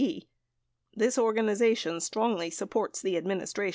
This organiza tion strongly supports the Administration.